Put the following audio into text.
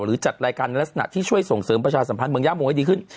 จัดรายการในลักษณะที่ช่วยส่งเสริมประชาสัมพันธ์เมืองย่าโมให้ดีขึ้น